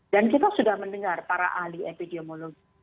dan kita sudah mendengar para ahli epidemiologi